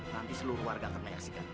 nanti seluruh warga akan menyaksikan